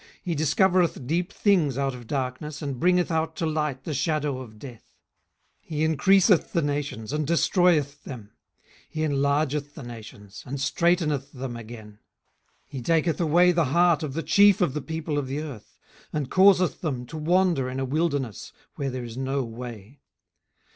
18:012:022 He discovereth deep things out of darkness, and bringeth out to light the shadow of death. 18:012:023 He increaseth the nations, and destroyeth them: he enlargeth the nations, and straiteneth them again. 18:012:024 He taketh away the heart of the chief of the people of the earth, and causeth them to wander in a wilderness where there is no way.